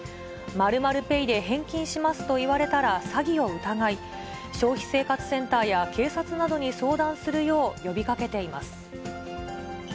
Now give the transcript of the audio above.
○○ペイで返金しますと言われたら、詐欺を疑い、消費生活センターや警察などに相談するよう呼びかけています。